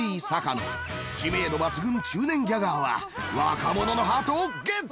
知名度抜群中年ギャガーは若者のハートをゲッツ！